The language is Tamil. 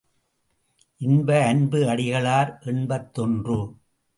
இன்ப அன்பு அடிகளார் எண்பத்தொன்று.